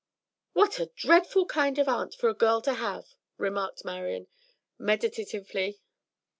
"What a dreadful kind of aunt for a girl to have!" remarked Marian, meditatively.